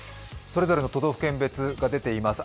それぞれの都道府県別が出ています